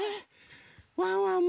ワンワン